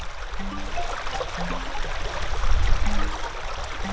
sehingga kota sumatera akan menemukan penggunaan gajah yang lebih baik untuk membuat perkembangan